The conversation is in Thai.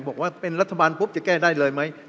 บอกว่าเป็นรัฐบาลปุ๊บจะแก้ได้เลยไหม